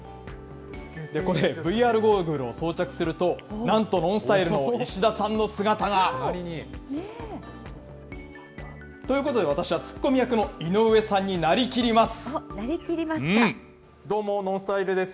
これＶＲゴーグルを装着すると、なんとＮＯＮＳＴＹＬＥの石田さんの姿が。ということで、私はツッコミ役の井上さんになりきります。